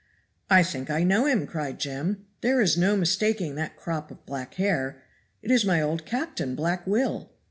"I think I know him," cried Jem. "There is no mistaking that crop of black hair; it is my old captain, Black Will."